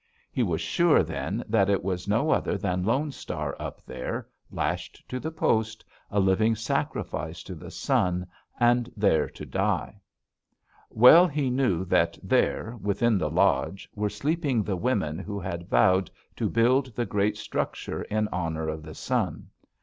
He was sure then that it was no other than Lone Star up there, lashed to the post, a living sacrifice to the sun, and there to die! "Well he knew that there, within the lodge, were sleeping the women who had vowed to build the great structure in honor of the sun.